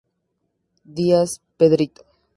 Díaz, Pedrito.